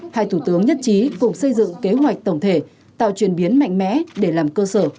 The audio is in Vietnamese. hai thủ tướng nhất trí cùng xây dựng kế hoạch tổng thể tạo truyền biến mạnh mẽ để làm cơ sở